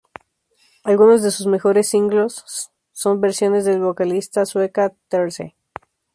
Algunos de sus mejores singles son versiones de la vocalista sueca "Therese".